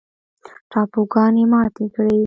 تابوگانې ماتې کړي